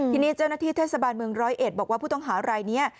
ทีนี้เจ้าหน้าที่เทศบาลเมืองร้อยเอ็ดบอกว่าผู้ต้องหารายนี้